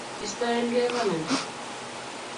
Istoenkei pananda.